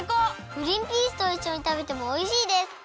グリンピースといっしょにたべてもおいしいです！